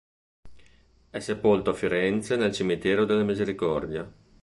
È sepolto a Firenze nel Cimitero della Misericordia.